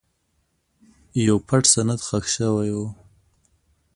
یو پټ سند ښخ شوی و.